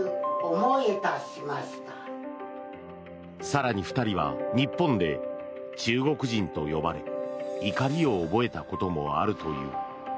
更に２人は日本で中国人と呼ばれ怒りを覚えたこともあるという。